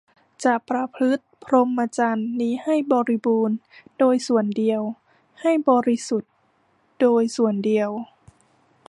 จะประพฤติพรหมจรรย์นี้ให้บริบูรณ์โดยส่วนเดียว ให้บริสุทธิ์โดยส่วนเดียว